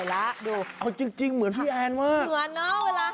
ทำไมน้องเอาเงินมาให้พี่ลูก